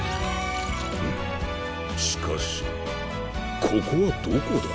しかしここはどこだ？